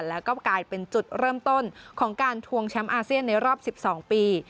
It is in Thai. แล้วก็กลายเป็นจุดเริ่มต้นของการทวงแชมป์อาเซียนในรอบ๑๒ปี